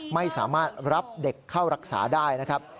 ไม่สามารถรับเด็กเข้ารักษาได้นะครับ